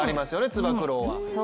つば九郎は。